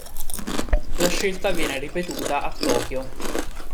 La scelta viene ripetuta a Tokyo.